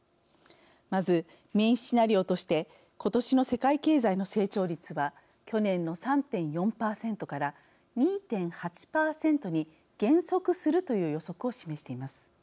まず、メインシナリオとして今年の世界経済の成長率は去年の３．４％から２．８％に減速するという予測を示しています。